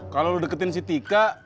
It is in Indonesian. kalo lu deketin si tiga